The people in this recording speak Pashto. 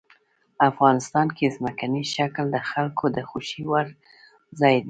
افغانستان کې ځمکنی شکل د خلکو د خوښې وړ ځای دی.